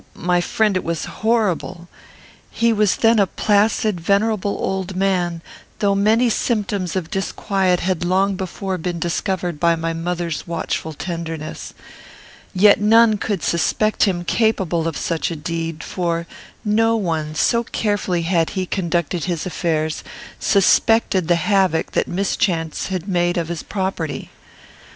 my friend! It was horrible. He was then a placid, venerable old man; though many symptoms of disquiet had long before been discovered by my mother's watchful tenderness. Yet none could suspect him capable of such a deed; for none, so carefully had he conducted his affairs, suspected the havoc that mischance had made of his property.